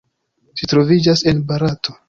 Ĝi troviĝas en Barato.